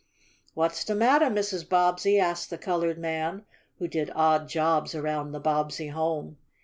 "What's the mattah, Mrs. Bobbsey?" asked the colored man, who did odd jobs around the Bobbsey home.